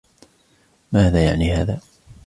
ماذا يعني هذا ؟